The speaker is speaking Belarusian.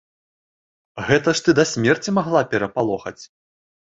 Гэта ж ты да смерці магла перапалохаць.